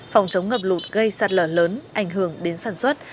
phòng chống ngập lụt gây sạt lở lớn ảnh hưởng đến sản xuất